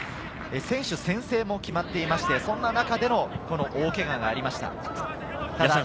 選手宣誓も決まっていまして、そんな中での大けががありました。